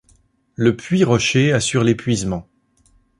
Le puits Rocher assure l'épuisement.